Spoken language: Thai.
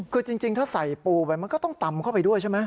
คือจริงถ้าใส่ปูไปมันก็ต้องตำเข้าไปด้วยใช่ไหม